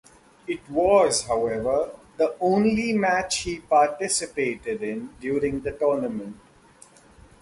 It was, however, the only match he participated in during the tournament.